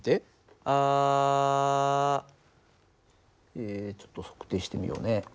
えちょっと測定してみようね。